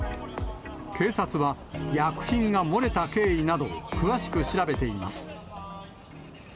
警察は、薬品が漏れた経緯などを詳しく調べています。